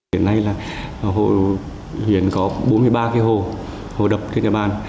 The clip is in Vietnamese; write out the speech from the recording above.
hiện nay là hồ hiện có bốn mươi ba cái hồ hồ đập trên nhà bán